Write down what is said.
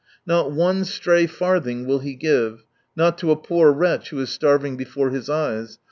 Not one stray farthing will he give, not to a poor wretch who is starving before his eyes.